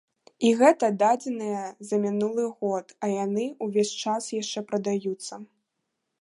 І гэта дадзеныя за мінулы год, а яны ўвесь час яшчэ прадаюцца.